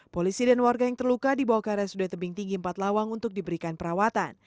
polisi dan warga yang terluka dibawa ke rsud tebing tinggi empat lawang untuk diberikan perawatan